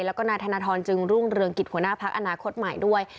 แล้วก็นายธนทรจึงรุ่งเรืองกิจหัวหน้าพักอนาคตใหม่ด้วย